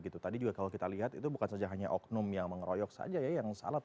tadi juga kalau kita lihat itu bukan saja hanya oknum yang mengeroyok saja ya yang salah